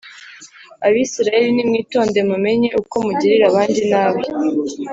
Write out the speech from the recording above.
Abisirayeli nimwitonde mumenye uko mugirira abandi nabi